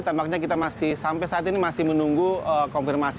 tampaknya kita masih sampai saat ini masih menunggu konfirmasi